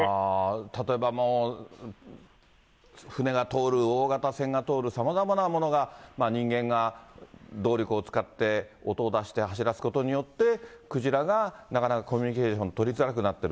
例えば船が通る、大型船が通る、さまざまなものが、人間が動力を使って、音を出して走らすことによって、クジラがなかなかコミュニケーション取りづらくなっている。